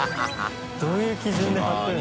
どういう基準で貼ってるの？